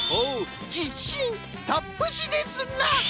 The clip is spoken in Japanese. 「じしん」たっぷしですな！